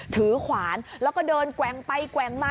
ขวานแล้วก็เดินแกว่งไปแกว่งมา